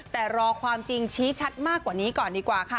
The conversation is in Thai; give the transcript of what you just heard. แต่รอความจริงชี้ชัดมากกว่านี้ก่อนดีกว่าค่ะ